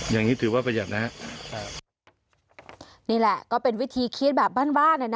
อย่างนี้ถือว่าประหยัดนะครับนี่แหละก็เป็นวิธีคิดแบบบ้านบ้านอ่ะนะ